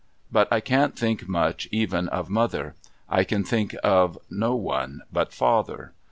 But I can't think much even of mother. I can think of no one but father.